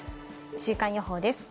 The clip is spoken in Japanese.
週間予報です。